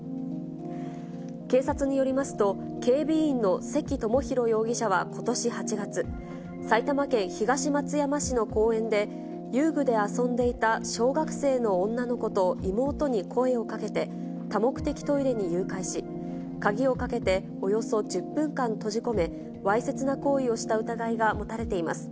警察によりますと、警備員の関ともひろ容疑者はことし８月、埼玉県東松山市の公園で、遊具で遊んでいた小学生の女の子と妹に声をかけて、多目的トイレに誘拐し、鍵をかけておよそ１０分間閉じ込め、わいせつな行為をした疑いが持たれています。